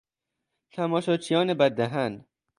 تماشاچیان بد دهن